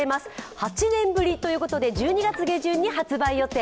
８年ぶりということで１２月下旬に発売予定。